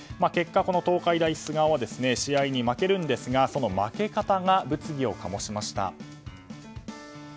結果、東海大菅生は試合に負けるんですがその負け方が物議を醸しました。